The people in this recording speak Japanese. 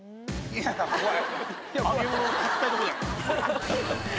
いや怖い。